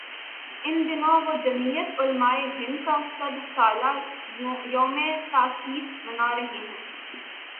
ان دنوں وہ جمعیت علمائے ہندکا صد سالہ یوم تاسیس منا رہے ہیں۔